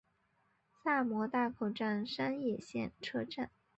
萨摩大口站山野线车站。